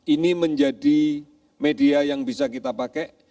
ini menjadi media yang bisa kita pakai